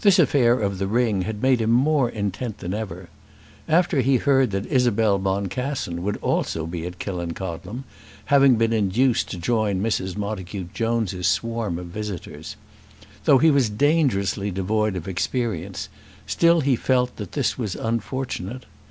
This affair of the ring had made him more intent than ever. After that he heard that Isabel Boncassen would also be at Killancodlem, having been induced to join Mrs. Montacute Jones's swarm of visitors. Though he was dangerously devoid of experience, still he felt that this was unfortunate.